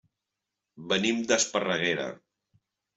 Venim d'Esparreguera.